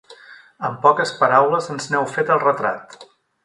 Amb poques paraules ens n'heu fet el retrat.